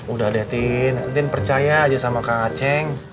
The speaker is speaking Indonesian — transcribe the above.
udah deh tin nenek tin percaya aja sama kak acing